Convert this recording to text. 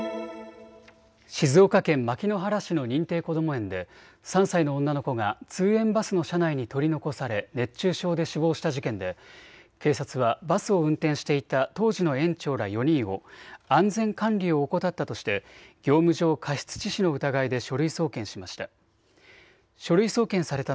静岡県牧之原市の認定こども園で３歳の女の子が通園バスの車内に取り残され熱中症で死亡した事件で警察はバスを運転していた当時の園長ら４人を安全管理を怠ったとして業務上過失致死の疑いで書類送検しました。